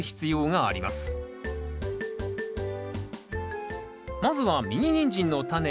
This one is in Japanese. まずはミニニンジンのタネをまき